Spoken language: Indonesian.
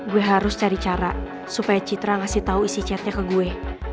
gue harus cari cara supaya citra ngasih tahu isi chatnya ke gue